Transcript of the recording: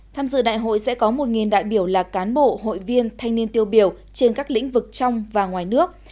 tham dự đại hội sẽ có một đại biểu là cán bộ hội viên thanh niên tiêu biểu trên các lĩnh vực trong và ngoài nước